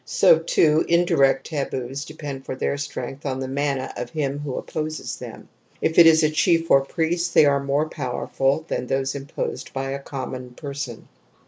... So, too, in direct taboos depend for their strength on the mana of him who opposes them ; if it is a chief or a priest, they are more powerful than those imposed by a common person."